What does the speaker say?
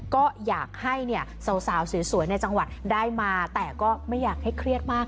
ก็อยากให้สาวสวยในจังหวัดได้มาแต่ก็ไม่อยากให้เครียดมาก